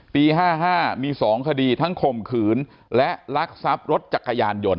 ปี๕๕มี๒คดีทั้งข่มขืนและลักทรัพย์รถจักรยานยนต